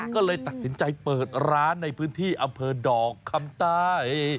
ก็เลยตัดสินใจเปิดร้านในพื้นที่อำเภอดอกคำใต้